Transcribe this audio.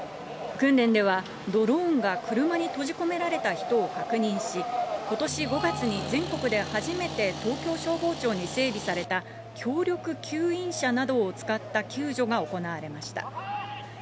訓練ではドローンが車に閉じ込められた人を確認し、ことし５月に全国で初めて東京消防庁に整備された強力吸引車などを使った救助が行われました。